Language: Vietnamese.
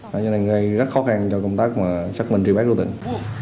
cho nên là rất khó khăn trong công tác xác minh tri bác đối tượng